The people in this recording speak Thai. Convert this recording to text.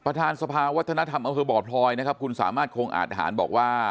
ประธานสภาวัฒนธรรมอำเภอบ่อพลอยนะครับคุณสามารถคงอาทหารบอกว่า